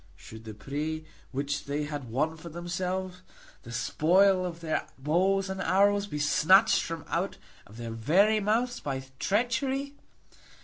Should the prey which they had won for themselves, the spoil of their bows and arrows, be snatched from out of their very mouths by treachery?